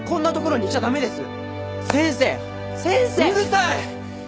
うるさい！